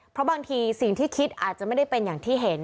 เพราะบางทีสิ่งที่คิดอาจจะไม่ได้เป็นอย่างที่เห็น